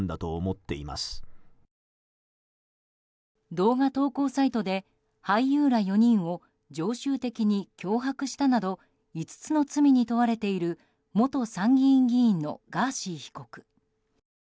動画投稿サイトで俳優ら４人を常習的に脅迫したなど５つの罪に問われている元参議院議員のガーシー被告。